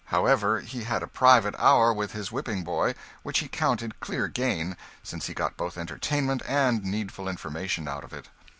However, he had a private hour with his whipping boy which he counted clear gain, since he got both entertainment and needful information out of it.